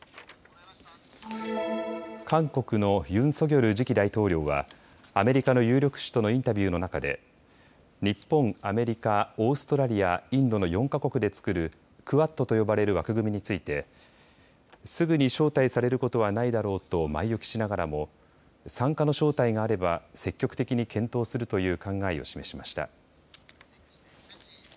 韓国のユン・ソギョル次期大統領はアメリカの有力紙とのインタビューの中で日本、アメリカ、オーストラリア、インドの４か国で作るクアッドと呼ばれる枠組みについてすぐに招待されることはないだろうと前置きしながらも参加の招待があれば積極的に検討するという考えを示しました。